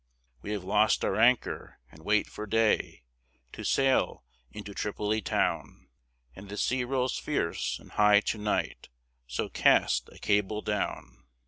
"We have lost our anchor, and wait for day To sail into Tripoli town, And the sea rolls fierce and high to night, So cast a cable down."